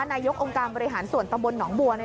นายกองค์การบริหารส่วนตำบลหนองบัว